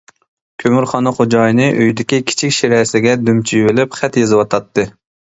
كۆمۈرخانا خوجايىنى ئۆيىدىكى كىچىك شىرەسىگە دۈمچىيىۋېلىپ خەت يېزىۋاتاتتى.